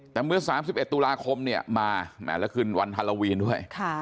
แต่เมื่อ๓๑ตุลาคมเนี่ยมาแล้วคืนวันฮาโลวีนด้วย